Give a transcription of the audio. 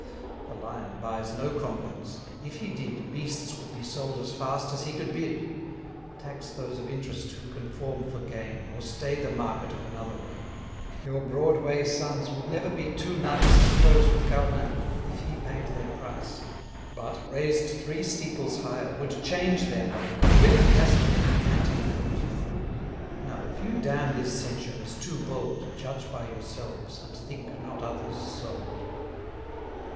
The Lion buys no converts; if he did, Beasts would be sold as fast as he could bid. Tax those of interest who conform for gain, Or stay the market of another reign: Your broad way sons would never be too nice To close with Calvin, if he paid their price; 230 But, raised three steeples higher, would change their note, And quit the cassock for the canting coat. Now, if you damn this censure, as too bold, Judge by yourselves, and think not others sold.